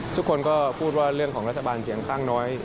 ทุกคนก็พูดว่าเรื่องของรัฐบาลเสียงข้างน้อย